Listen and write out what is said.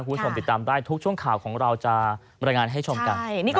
คุณผู้ชมติดตามได้ทุกช่วงข่าวของเราจะบรรยายงานให้ชมกัน